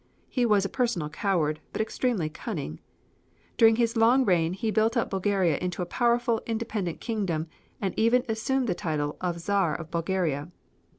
He was a personal coward, but extremely cunning. During his long reign he built up Bulgaria into a powerful, independent kingdom, and even assumed the title of Czar of Bulgaria.